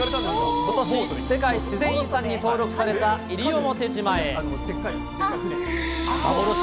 ことし世界自然遺産に登録された西表島へ。